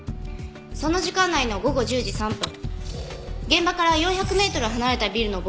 その時間内の午後１０時３分現場から４００メートル離れたビルの防犯カメラ映像です。